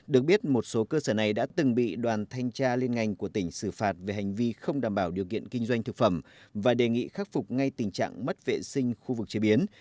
được biết một số cơ sở này đã từng bị đoàn thanh tra liên ngành của tỉnh xử phạt về hành vi không đảm bảo điều kiện kinh doanh thực phẩm và đề nghị khắc phục ngay tình trạng mất vệ sinh khu vực chế biến